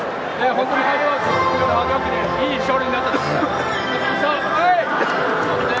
本当にいい勝利になったと思います。